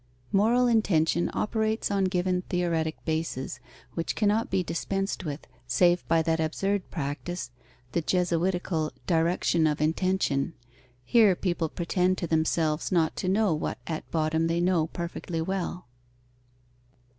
Moral intention operates on given theoretic bases, which cannot be dispensed with, save by that absurd practice, the jesuitical direction of intention. Here people pretend to themselves not to know what at bottom they know perfectly well.